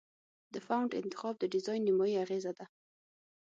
د فونټ انتخاب د ډیزاین نیمایي اغېزه ده.